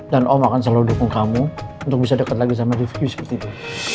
dan om akan selalu dukung kamu untuk bisa deket lagi sama rifki seperti itu